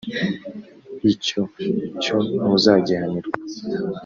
icyo cyo ntuzagihanirwa